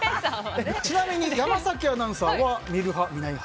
ちなみに山崎アナウンサーは見る派？